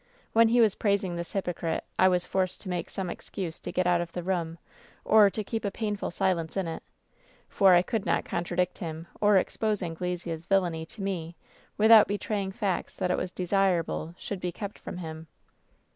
When he was praising this hypocrite I was forced to make some excuse to get out of the room, or to keep a painful silence in it, for I could not contradict him or expose Anglesea's villainy to me without betraying facts that it was desirable should be kept from him.